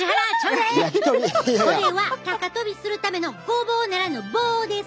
これは高跳びするための「ごぼう」ならぬ「棒」です！